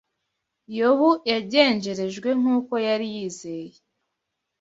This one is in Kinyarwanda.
Yobu yagenjerejwe nk’uko yari yizeye